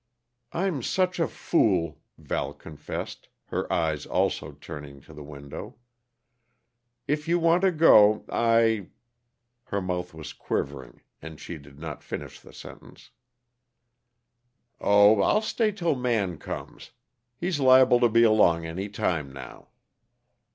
"I'm such a fool," Val confessed, her eyes also turning to the window, "If you want to go, I " Her mouth was quivering, and she did not finish the sentence. "Oh, I'll stay till Man comes. He's liable to be along any time, now."